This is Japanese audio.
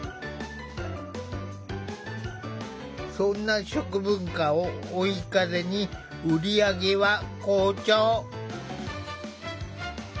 そんな食文化を追い風に売り上げは好調！